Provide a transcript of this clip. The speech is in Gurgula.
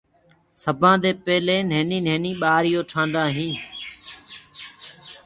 سبآندي پيلي نهيني نهيني ٻآريون ٺآندآ هين۔